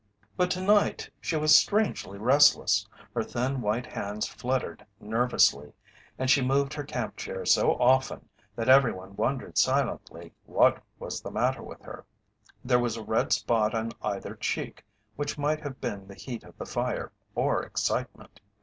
But to night she was strangely restless, her thin white hands fluttered nervously, and she moved her camp chair so often that everyone wondered silently what was the matter with her. There was a red spot on either cheek which might have been the heat of the fire or excitement.